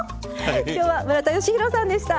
今日は村田吉弘さんでした。